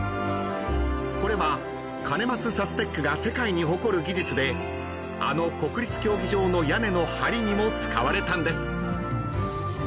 ［これは兼松サステックが世界に誇る技術であの国立競技場の屋根の梁にも使われたんです］